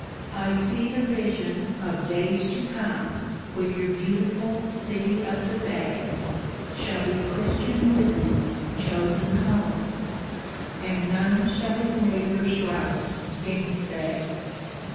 "I see the vision of days to come, When your beautiful City of the Bay Shall be Christian liberty's chosen home, And none shall his neighbor's rights gainsay.